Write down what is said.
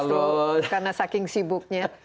justru karena saking sibuknya